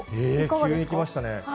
急にきましたね。